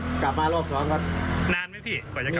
นานไหมพี่ก่อนจะกลับมา